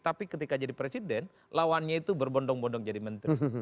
tapi ketika jadi presiden lawannya itu berbondong bondong jadi menteri